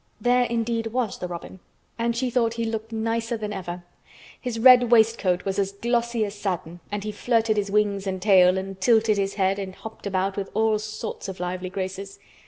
There, indeed, was the robin, and she thought he looked nicer than ever. His red waistcoat was as glossy as satin and he flirted his wings and tail and tilted his head and hopped about with all sorts of lively graces.